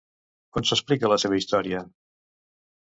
On s'explica la seva història?